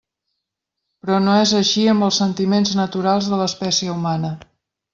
Però no és així amb els sentiments naturals de l'espècie humana.